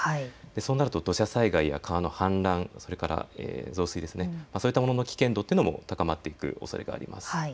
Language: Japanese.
そうなると土砂災害や川の氾濫それから増水、そういったものの危険度というのも高まってくるおそれがあります。